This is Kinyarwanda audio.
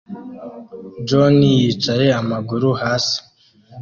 john yicaye amaguru hasi